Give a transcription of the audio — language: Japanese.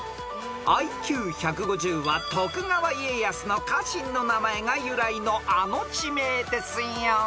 ［ＩＱ１５０は徳川家康の家臣の名前が由来のあの地名ですよ］